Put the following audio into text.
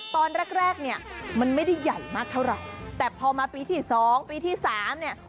ตอนแรกมันไม่ได้ใหญ่มากเท่าไหร่แต่พอมาปีที่๒ปีที่๓เนี่ย